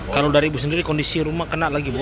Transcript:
kalau dari ibu sendiri kondisi rumah kena lagi bu